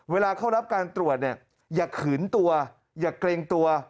เวลาเข้ารับการตรวจเนี่ยอย่าขืนตัวอย่าเกรงตัว